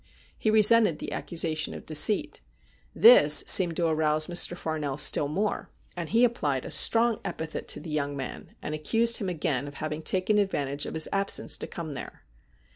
He resented the accusation of deceit. This seemed to arouse Mr. Farnell still more, and he applied a strong epithet to the young man, and accused him again of having taken advantage of his absence to come there.